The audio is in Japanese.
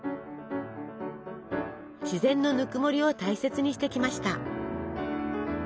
自然のぬくもりを大切にしてきました。